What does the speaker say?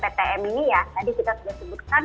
ptm ini ya tadi kita sudah sebutkan